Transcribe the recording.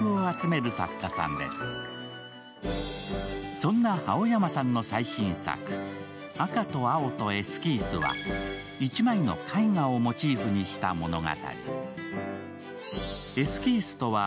そんな青山さんの最新作、「赤と青とエスキース」は１枚の絵画をモチーフにした物語。